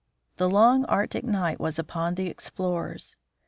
The long Arctic night was upon the explorers.